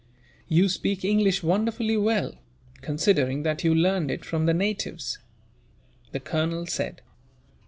"You speak English wonderfully well, considering that you learned it from the natives," the colonel said.